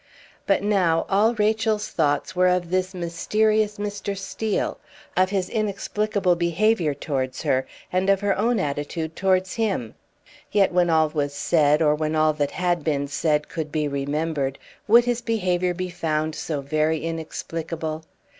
But now all Rachel's thoughts were of this mysterious Mr. Steel; of his inexplicable behavior towards her, and of her own attitude towards him. Yet, when all was said, or when all that had been said could be remembered, would his behavior be found so very inexplicable?